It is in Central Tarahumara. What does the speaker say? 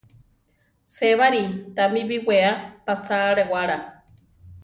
Sébari tami biʼwéa pachá alewála.